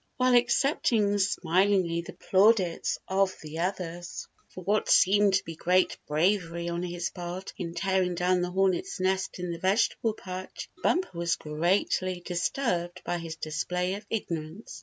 While accepting smilingly the plaudits of the others for what seemed to be great bravery on his part in tearing down the hornet's nest in the vegetable patch. Bumper was greatly disturbed by his display of ignorance.